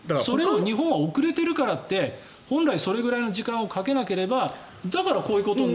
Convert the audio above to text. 日本は遅れているからって本来、これぐらいの時間をかけなければだからこういうことになって。